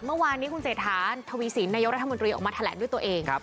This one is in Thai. เมื่อวานนี้คุณเศรษฐาทวีสินนายกรัฐมนตรีออกมาแถลงด้วยตัวเอง